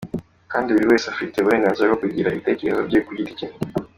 Kandi buri wese afite uburenganzira bwo kugira ibitekerezo bye ku giti cye.